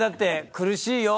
苦しいよ。